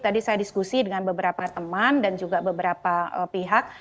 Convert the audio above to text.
tadi saya diskusi dengan beberapa teman dan juga beberapa pihak